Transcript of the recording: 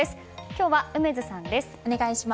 今日は梅津さんです。